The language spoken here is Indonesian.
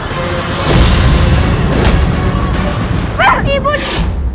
jangan sampai kau menyesal sudah menentangku